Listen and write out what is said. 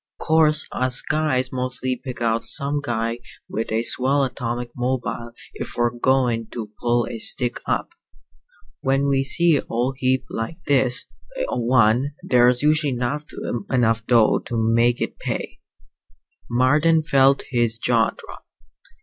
"'Course us guys mostly pick out some guy with a swell atomic mobile if we're goin' to pull a stick up. When we see a old heap like this one there's usually not enough dough to make it pay." Marden felt his jaw drop.